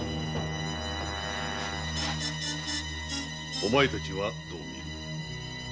お前たちはどう見る？